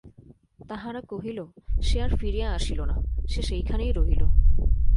তাহারা কহিল, সে আর ফিরিয়া আসিল না, সে সেইখানেই রহিল।